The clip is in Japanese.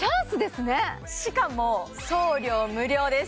しかも送料無料です